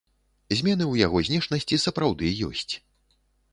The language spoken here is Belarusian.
Змены ў яго знешнасці сапраўды ёсць.